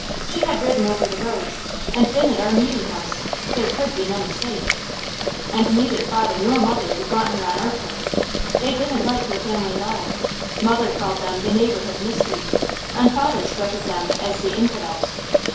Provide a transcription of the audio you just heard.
She had ridden over the roads, and been at our meeting house. There could be no mistake. And neither father nor mother would want her on our place. They didn't like her family at all. Mother called them the neighbourhood mystery, and father spoke of them as the Infidels.